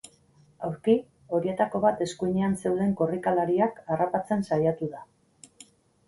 Aurki, horietako bat eskuinean zeuden korrikalariak harrapatzen saiatu da.